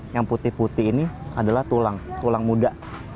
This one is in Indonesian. yang putih putih ini adalah tulang tulang muda